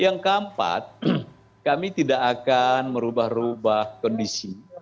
yang keempat kami tidak akan merubah rubah kondisi